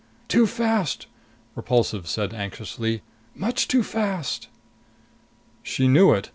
"Too fast!" Repulsive said anxiously. "Much too fast!" She knew it.